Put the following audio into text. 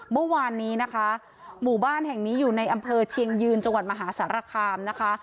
เมื่อวานนี้นะคะหมู่บ้านแห่งนี้อยู่ในอำเภอเชียงยืนจังหวัดมหาสารคามนะคะ